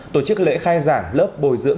tổ chức lễ khai giảng lớp bồi dưỡng